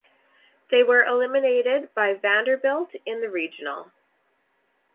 They were eliminated by Vanderbilt in the Regional.